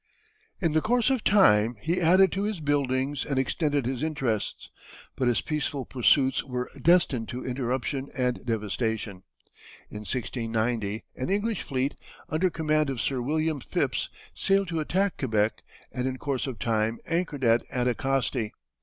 In the course of time he added to his buildings and extended his interests, but his peaceful pursuits were destined to interruption and devastation. In 1690 an English fleet, under command of Sir William Phipps, sailed to attack Quebec, and in course of time anchored at Anticosti.